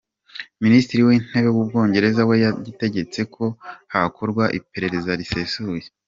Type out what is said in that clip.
Minisitiri w'intebe w'Ubwongereza we yategetse ko hakorwa iperereza risesuye.